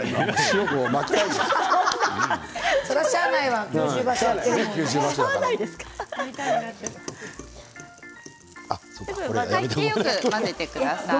よく混ぜてください。